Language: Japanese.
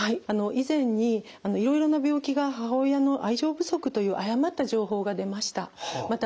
以前にいろいろな病気が母親の愛情不足という誤った情報が出ました。